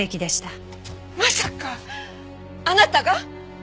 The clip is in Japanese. まさかあなたが！？